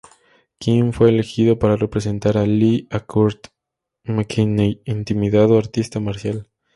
Kim fue elegido para representar a Lee a Kurt McKinney intimidado artista marcial.